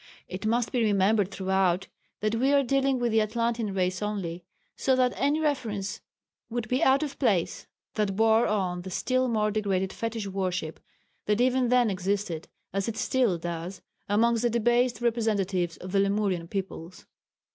It must be remembered throughout that we are dealing with the Atlantean race only, so that any reference would be out of place that bore on the still more degraded fetish worship that even then existed as it still does amongst the debased representatives of the Lemurian peoples.